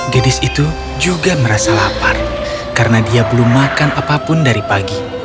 gadis itu juga merasa lapar karena dia belum makan apapun dari pagi